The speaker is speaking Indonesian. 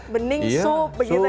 bening sop begitu ya